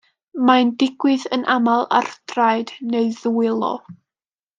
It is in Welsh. Mae'n digwydd yn aml ar draed neu ddwylo.